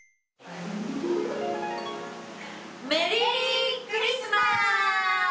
メリークリスマス。